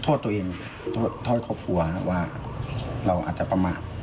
โทษตัวเองโทษครอบครัวว่าเราอาจจะประมาท